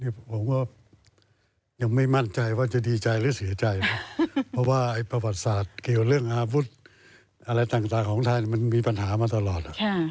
ผมก็ยังไม่มั่นใจว่าจะดีใจหรือเสียใจนะเพราะว่าประวัติศาสตร์เกี่ยวเรื่องอาวุธอะไรต่างของไทยมันมีปัญหามาตลอด